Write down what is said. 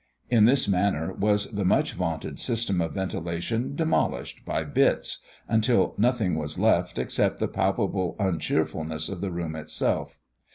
In this manner, was the much vaunted system of ventilation demolished by bits, until nothing was left except the palpable uncheerfulness of the room itself.